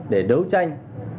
để đấu tranh